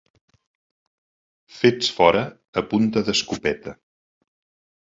Fets fora a punta d'escopeta.